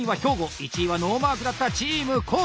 １位はノーマークだったチーム神戸。